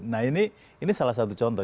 nah ini salah satu contoh